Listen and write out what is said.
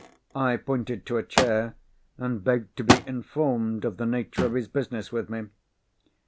I pointed to a chair, and begged to be informed of the nature of his business with me.